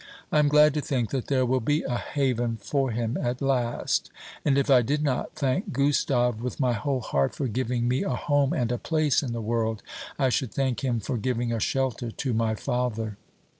I am glad to think that there will be a haven for him at last; and if I did not thank Gustave with my whole heart for giving me a home and a place in the world, I should thank him for giving a shelter to my father.